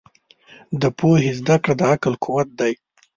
د پوهې زده کړه د عقل قوت دی.